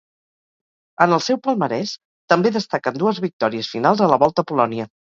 En el seu palmarès també destaquen dues victòries finals a la Volta a Polònia.